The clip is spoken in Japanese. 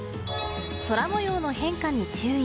空模様の変化に注意。